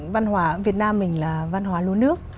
văn hóa việt nam mình là văn hóa lúa nước